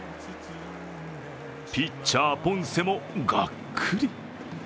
ピッチャー・ポンセもがっくり。